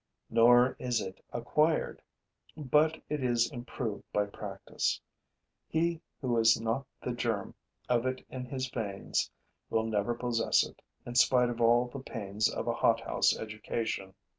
Nor is it acquired; but it is improved by practice. He who has not the germ of it in his veins will never possess it, in spite of all the pains of a hothouse education.